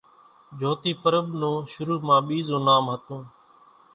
جھوتي پرٻ نون شرُو مان ٻيزون نام ھتون